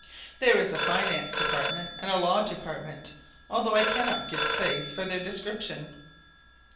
There is a Finance Department and a Law Department, although I cannot give space for their description.